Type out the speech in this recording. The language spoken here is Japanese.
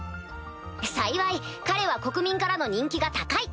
幸い彼は国民からの人気が高い。